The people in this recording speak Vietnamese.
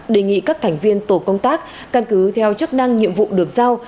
đề nghị các thành viên tổ công tác căn cứ theo chức năng nhiệm vụ được giao